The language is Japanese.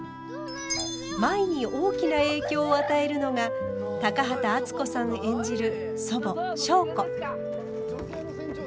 舞に大きな影響を与えるのが高畑淳子さん演じる祖母祥子。